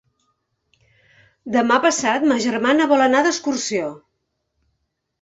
Demà passat ma germana vol anar d'excursió.